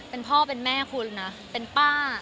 เป็นพ่อเป็นแม่คุณนะ